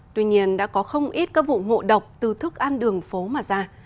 tuy nhiên đã có không ít các vụ ngộ độc từ thức ăn đường phố mà ra